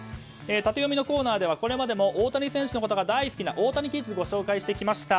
タテヨミのコーナーではこれまでも大谷選手のことが大好きなオオタニキッズをご紹介してきました。